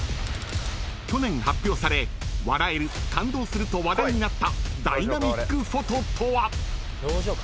［去年発表され笑える感動すると話題になったダイナミックフォトとは？］